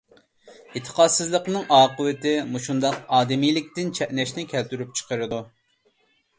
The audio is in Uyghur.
ئېتىقادسىزلىقنىڭ ئاقىۋىتى مۇشۇنداق ئادىمىيلىكتىن چەتنەشنى كەلتۈرۈپ چىقىرىدۇ!